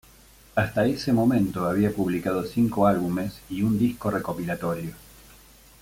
Hasta ese momento había publicado cinco álbumes y un disco recopilatorio.